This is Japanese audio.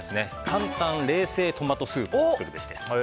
簡単冷製トマトスープを作るべし。